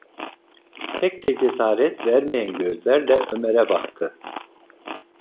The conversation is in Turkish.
Pek de cesaret vermeyen gözlerle Ömer’e baktı.